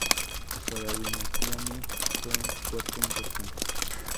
Hasta la dinastía Ming, fue un puerto importante.